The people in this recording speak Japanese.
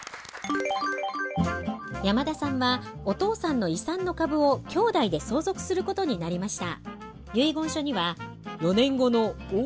山田さんはお父さんの遺産の株を兄弟で相続することになりました。